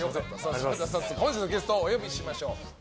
それでは早速本日のゲストお呼びしましょう。